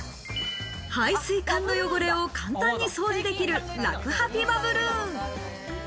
排水管の汚れを簡単に掃除できる、らくハピバブルーン。